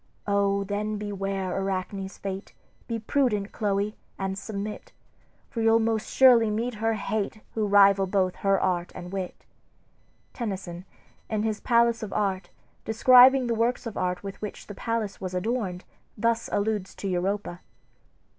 "O, then beware Arachne's fate; Be prudent, Chloe, and submit, For you'll most surely meet her hate, Who rival both her art and wit." Tennyson, in his "Palace of Art," describing the works of art with which the palace was adorned, thus alludes to Europa